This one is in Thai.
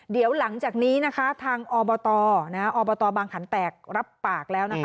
เดี๋ยวหลังจากนี้นะคะทางอบตอบตบางขันแตกรับปากแล้วนะคะ